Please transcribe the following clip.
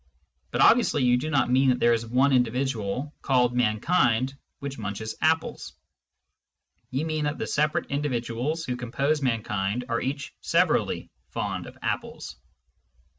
But obviously you do not mean that there is one individual, called " mankind," which munches apples : you mean that the separate individuals who compose mankind are each severally fond of apples.